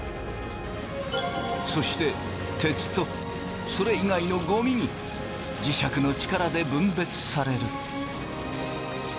そして鉄とそれ以外のゴミに磁石の力で分別される。